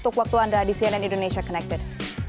terima kasih banyak banyak waktu anda di cnn indonesia connected